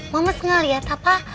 mama sengal lihat apa